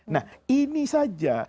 nah ini saja